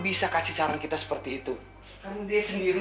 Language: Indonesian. tidak melihat bagaimana marahnya bapakku